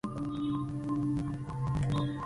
Sus canciones hablan de temas de bares, drogas y amores.